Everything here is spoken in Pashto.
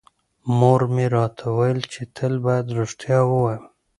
مور مې راته وویل چې تل بايد رښتیا ووایم.